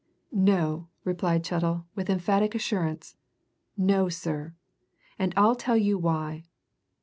"No!" replied Chettle, with emphatic assurance. "No, sir! And I'll tell you why.